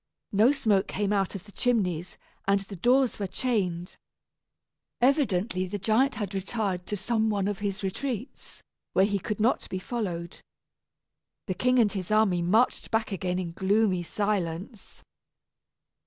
No smoke came out of the chimneys, and the doors were chained. Evidently the giant had retired to some one of his retreats, where he could not be followed. The king and his army marched back again in gloomy silence.